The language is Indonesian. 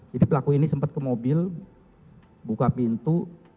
jadi pelaku ini sempat ke mobil buka pintu